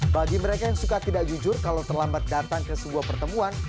bagi mereka yang suka tidak jujur kalau terlambat datang ke sebuah pertemuan